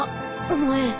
お前。